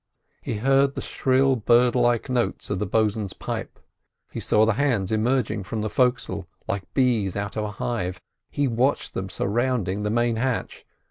He heard the shrill bird like notes of the bosun's pipe. He saw the hands emerging from the forecastle, like bees out of a hive; he watched them surrounding the main hatch.